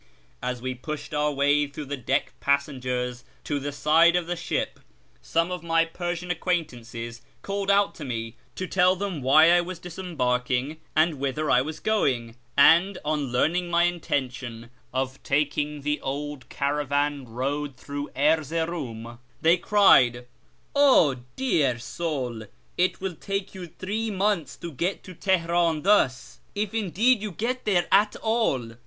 As we pushed our way through the deck passengers to the side of the ship, some of my I'ersian acquaintances called out to me to tell them why I was disembarking and whither I was going, and, on learning my intention of taking the old caravan road through Erzeroum, they cried, " 0, dear soul, it will take you three months to get to Teheran thus, if indeed you get there at all